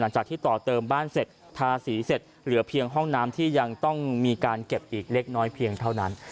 ต่อเติมบ้านเสร็จทาสีเสร็จเหลือเพียงห้องน้ำที่ยังต้องมีการเก็บอีกเล็กน้อยเพียงเท่านั้น